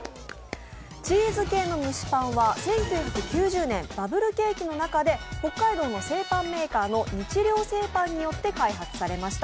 チーズ系の蒸しパンは、１９９０年、バブル景気の中で北海道の製パンメーカーの日糧製パンによって開発されました。